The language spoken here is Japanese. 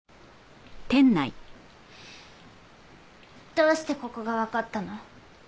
どうしてここがわかったの？